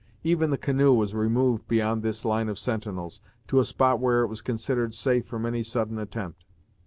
Even the canoe was removed beyond this line of sentinels, to a spot where it was considered safe from any sudden attempt.